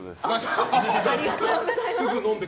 ありがとうございます。